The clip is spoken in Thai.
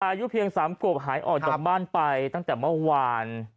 อายุเพียง๓ขวบหายออกจากบ้านไปตั้งแต่เมื่อวาน